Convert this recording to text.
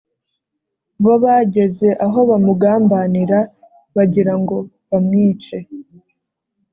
bo bageze aho bamugambanira bagira ngo bamwice.